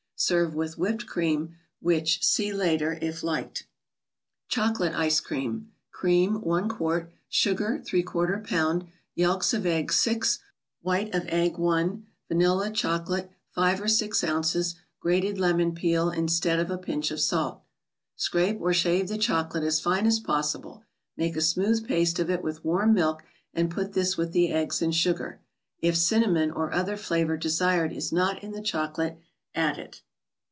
Serve with Whipped Cream (which see later) if liked. Chocolate Sice* Cream. Cream, 1 qt.; Sugar, A lb.; Yelks of eggs, 6; White of egg, 1; Vanilla Chocolate, 5 or 6 oz.; grated lemon peel instead of a pinch of salt. Scrape or shave the chocolate as fine as possible; make a smooth paste of it with warm milk, and put this with the eggs and sugar. If cinnamon, or other flavor desired, is not in the chocolate, add it.